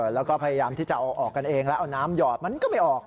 แล้วก็พยายามที่จะเอาออกกันเองแล้วเอาน้ำหยอดมันก็ไม่ออก